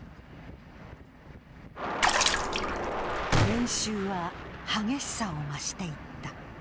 演習は激しさを増していった。